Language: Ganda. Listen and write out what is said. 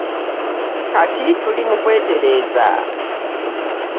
Kati tuli mu kwetereeza.